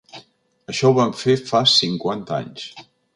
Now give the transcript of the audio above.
Això ho vam fer fa cinquanta anys.